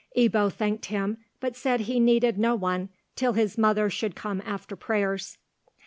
Ebbo thanked him, but said he needed no one till his mother should come after prayers.